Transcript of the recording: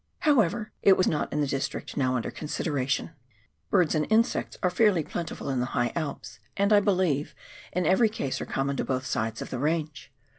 However, it was not in the district now under consideration. Birds and insects are fairly plentiful in the high Alps, and, I believe, in every case are common to both sides of the range.